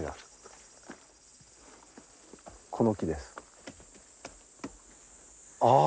この木です。ああ。